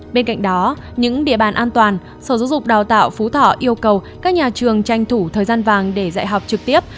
bên cạnh đó những địa bàn an toàn sở giáo dục đào tạo phú thọ yêu cầu các nhà trường tranh thủ thời gian vàng để dạy học trực tiếp